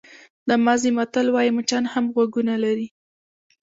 د مازی متل وایي مچان هم غوږونه لري.